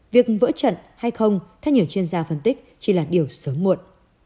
việc vỡ trận hay không theo nhiều chuyên gia phân tích chỉ là điều sớm muộn